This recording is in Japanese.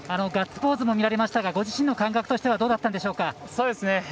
ガッツポーズも見られましたがご自身の感覚としてはどうだったんでしょうか？